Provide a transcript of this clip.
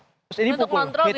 terus ini pukul